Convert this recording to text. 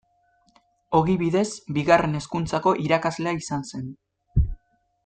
Ogibidez Bigarren Hezkuntzako irakaslea izan zen.